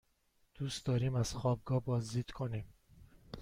دوست داریم از خوابگاه بازدید کنیم.